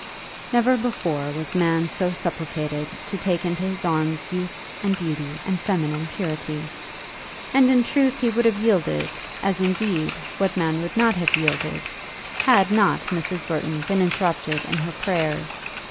Never before was man so supplicated to take into his arms youth and beauty and feminine purity! And in truth he would have yielded, as indeed, what man would not have yielded, had not Mrs. Burton been interrupted in her prayers.